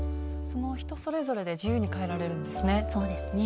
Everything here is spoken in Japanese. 人それぞれで自由にかえられるんですね。